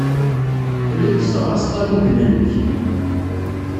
Telliḍ tesseɣraseḍ alugen-nnek.